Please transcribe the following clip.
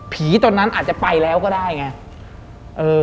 ตอนนั้นอาจจะไปแล้วก็ได้ไง